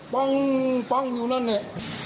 ปั้งอยู่นั่นเนี่ย